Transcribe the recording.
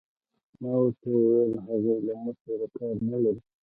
ما ورته وویل: هغوی له موږ سره کار نه لري.